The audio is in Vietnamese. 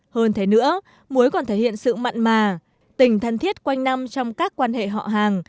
hơn thế nữa muối còn thể hiện sự mặn mà tình thân thiết quanh năm trong các quan hệ họ hàng